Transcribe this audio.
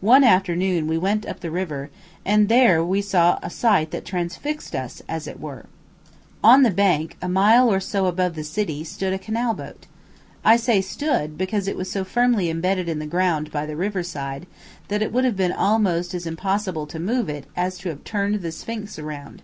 One afternoon we went up the river, and there we saw a sight that transfixed us, as it were. On the bank, a mile or so above the city, stood a canal boat. I say stood, because it was so firmly imbedded in the ground by the river side, that it would have been almost as impossible to move it as to have turned the Sphinx around.